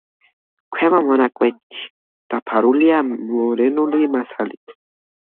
ქვემო მონაკვეთში დაფარულია მორენული მასალით.